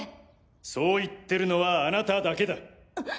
そう言ってるのはあなただけだ。